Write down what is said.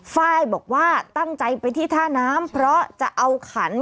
ไฟล์บอกว่าตั้งใจไปที่ท่าน้ำเพราะจะเอาขัน